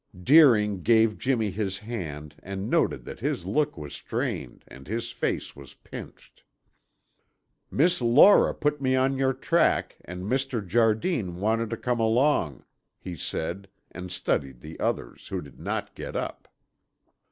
Deering gave Jimmy his hand and noted that his look was strained and his face was pinched. "Miss Laura put me on your track and Mr. Jardine wanted to come along," he said and studied the others, who did not get up.